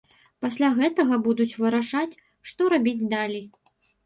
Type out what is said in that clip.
Пасля гэтага будуць вырашаць, што рабіць далей.